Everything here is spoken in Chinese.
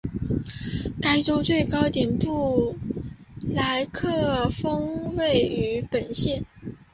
该州的最高点布莱克峰位于本县。